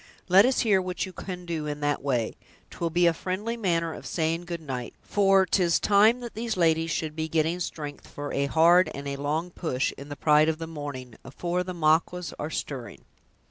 Let us hear what you can do in that way; 'twill be a friendly manner of saying good night, for 'tis time that these ladies should be getting strength for a hard and a long push, in the pride of the morning, afore the Maquas are stirring."